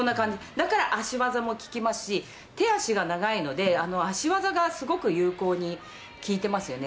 だから足技も効きますし、手足が長いので、足技がすごく有効に効いてますよね。